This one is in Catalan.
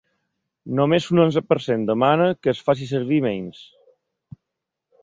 Només un onze per cent demana que es faci servir menys.